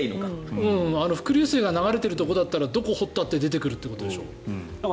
伏流水が流れているところだったらどこを掘ったって出てくるということでしょ。